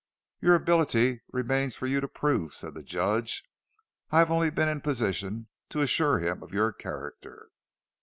"Your ability remains for you to prove," said the Judge. "I have only been in position to assure him of your character."